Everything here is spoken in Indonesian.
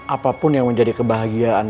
apapun yang menjadi kebahagiaan